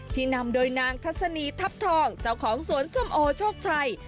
นำโดยนางทัศนีทัพทองเจ้าของสวนส้มโอโชคชัย